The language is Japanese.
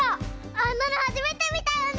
あんなのはじめてみたよね！